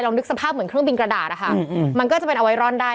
นึกสภาพเหมือนเครื่องบินกระดาษนะคะมันก็จะเป็นเอาไว้รอนได้